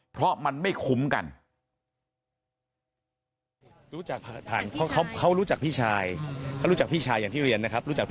เพราะมันไม่คุ้มกัน